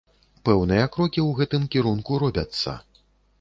Пэўныя крокі ў гэтым кірунку робяцца.